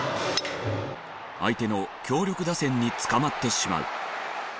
相手の強力打線に捕まってしまう。